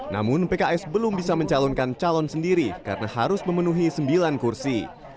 namun pks belum bisa mencalonkan calon sendiri karena harus memenuhi sembilan kursi